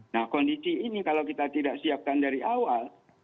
nah kondisi ini kalau kita tidak siapkan dari awal